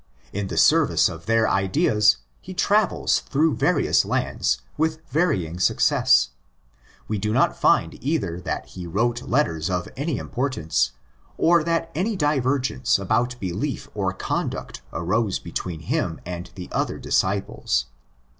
In the service of their ideas he travels through various lands with varying success. We do not find either that he wrote letters of any importance, or that any divergence about belief or conduct arose PAUL ACCORDING TO ACTS 101 between him and the other disciples.